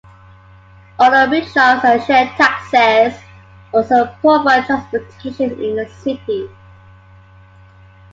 Auto rickshaws and share taxis also provide transportation in the city.